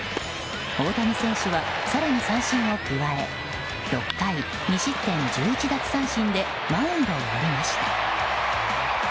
大谷選手は更に三振を加え６回２失点１１奪三振でマウンドを降りました。